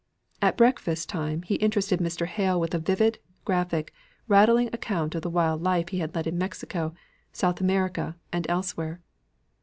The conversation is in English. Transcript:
At breakfast time, he interested Mr. Hale with vivid, graphic, rattling accounts of the wild life he had led in Mexico, South America, and elsewhere.